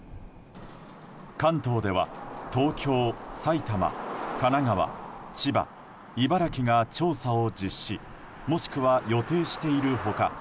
関東では、東京、埼玉神奈川、千葉、茨城が調査を実施もしくは予定している他